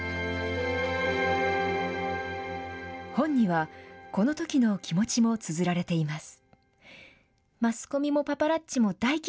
本には、このときの気持ちもつづられています。